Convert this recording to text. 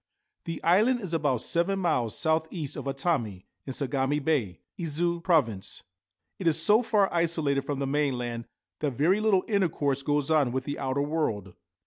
The island is about seven miles south east of Atami, in Sagami Bay (Izu Province). It is so far isolated from the mainland that very little intercourse goes on with the outer world.